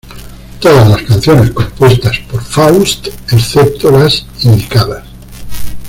Todas las canciones compuestas por Faust, excepto las indicadas.